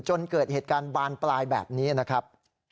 จนเกิดเหตุการณ์บานปลายแบบนี้นะครับ